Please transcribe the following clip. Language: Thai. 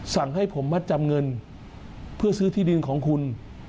สั่งให้ผมมัดจำเงินเพื่อซื้อที่ดินของคุณ